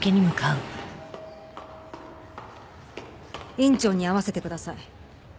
院長に会わせてください。